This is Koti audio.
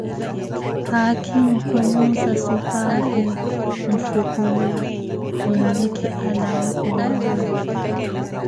Haakhimo kumuunza suphayi, mfukyle, onlike alawe owawe.